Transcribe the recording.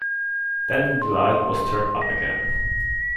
Then the light was turned up again.